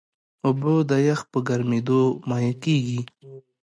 اوبه د یخ په ګرمیېدو مایع کېږي.